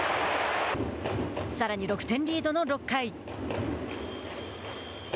さらに６点リードの６回。